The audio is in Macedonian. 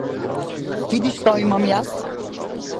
Види што имам јас.